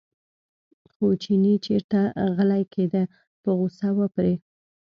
خو چینی چېرته غلی کېده په غوسه و پرې.